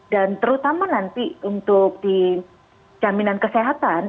dan terutama nanti untuk dijaminan kesehatan